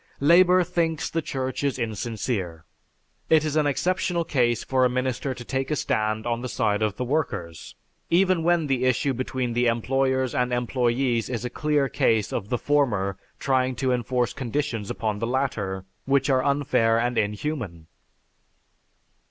Labor thinks the Church is insincere. It is an exceptional case for a minister to take a stand on the side of the workers, even when the issue between the employers and employees is a clear case of the former trying to enforce conditions upon the latter which are unfair and inhuman."